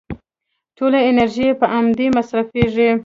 ټوله انرژي يې په امدې مصرفېږي.